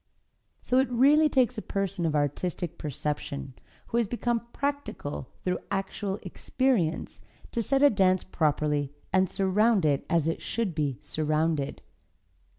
So it really takes a person of artistic perception, who has become practical through actual experience, to set a dance properly and surround it as it should be surrounded.